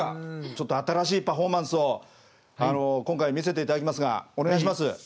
ちょっと新しいパフォーマンスを今回見せて頂きますがお願いします。